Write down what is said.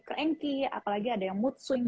kerankie apalagi ada yang mood swing